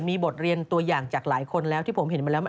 โอลี่คัมรี่ยากที่ใครจะตามทันโอลี่คัมรี่ยากที่ใครจะตามทัน